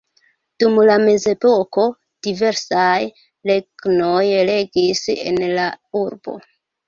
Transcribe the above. Dum la mezepoko diversaj regnoj regis en la urbo.